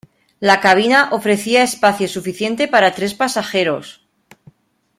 La cabina ofrecía espacio suficiente para tres pasajeros.